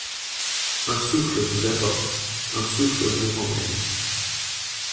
Un souffle vous apporte, un souffle vous remmène. .